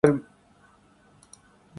تحریک انصاف میں شامل ہورہےہیں